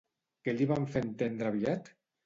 Què li van fer entendre aviat?